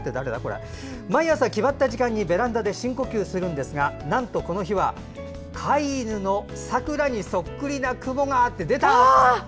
毎朝決まった時間にベランダで深呼吸するんですがなんとこの日は飼い犬のさくらにソックリな雲が！って。